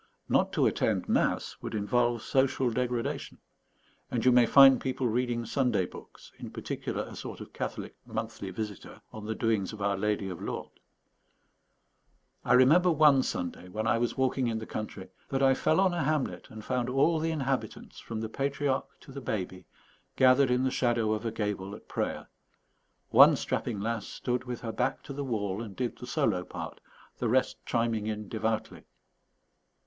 Not to attend mass would involve social degradation; and you may find people reading Sunday books, in particular a sort of Catholic Monthly Visitor on the doings of Our Lady of Lourdes. I remember one Sunday, when I was walking in the country, that I fell on a hamlet and found all the inhabitants, from the patriarch to the baby, gathered in the shadow of a gable at prayer. One strapping lass stood with her back to the wall and did the solo part, the rest chiming in devoutly.